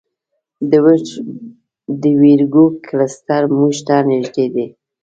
د ویرګو کلسټر موږ ته نږدې دی.